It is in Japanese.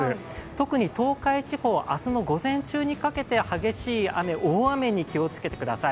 特に東海地方、明日の午前中にかけて激しい雨、大雨に気をつけてください。